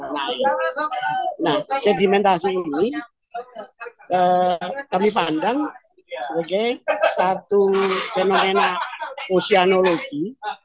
nah sedimentasi ini kami pandang sebagai satu fenomena oseanologi